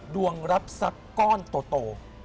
ดวงรับสักก้อนโต